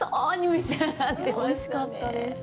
おいしかったです。